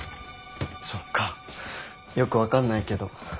そっかよく分かんないけど。